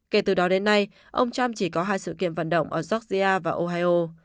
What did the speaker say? kể từ đó đến nay ông trump chỉ có hai sự kiện vận động ở georgia và ohio